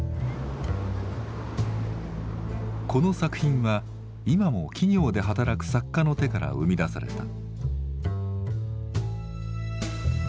この作品は今も企業で働く作家の手から生み出された。